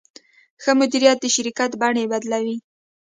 ښه مدیریت د شرکت بڼې بدلوي.